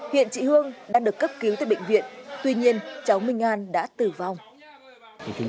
hiện chị hương đang được cấp cứu tại bệnh viện tuy nhiên cháu minh an đã tử vong